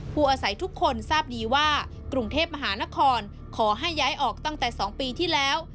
อาศัยทุกคนทราบดีว่ากรุงเทพมหานครขอให้ย้ายออกตั้งแต่๒ปีที่แล้ว